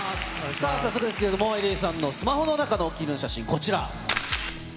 さあ、早速ですけれども、ＥＬＬＹさんのスマホの中のお気に入りの写真、こちら。